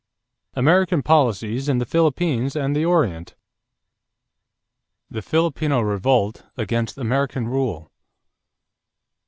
AMERICAN POLICIES IN THE PHILIPPINES AND THE ORIENT =The Filipino Revolt against American Rule.